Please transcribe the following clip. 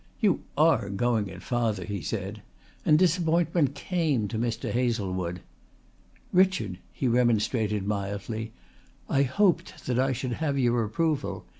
"You are going it, father," he said, and disappointment came to Mr. Hazlewood. "Richard," he remonstrated mildly, "I hoped that I should have had your approval.